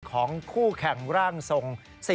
ของคู่แข่งร่างทรง